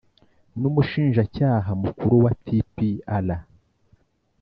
n'umushinjacyaha mukuru wa tpir,